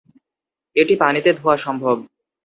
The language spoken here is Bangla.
এটি পানিতে ধোয়া সম্ভব।